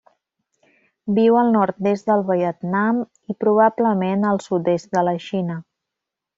Viu al nord-est del Vietnam i, probablement, el sud-est de la Xina.